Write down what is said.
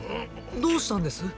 どうしたんです？